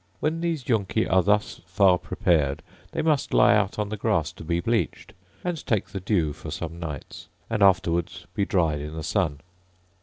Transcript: When these junci are thus far prepared, they must lie out on the grass to be bleached, and take the dew for some nights, and afterwards be dried in the sun.